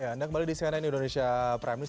ya anda kembali di cnn indonesia prime news